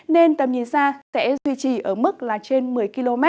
nên tầm nhìn xa sẽ duy trì ở mức là trên một mươi km